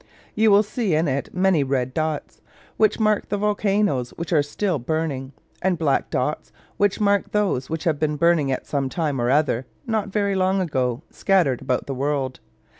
You will see in it many red dots, which mark the volcanos which are still burning: and black dots, which mark those which have been burning at some time or other, not very long ago, scattered about the world.